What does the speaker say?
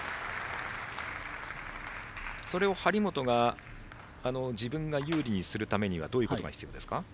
それを張本が自分が有利にするためにはどういうことが必要ですか。